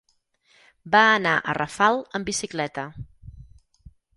Va anar a Rafal amb bicicleta.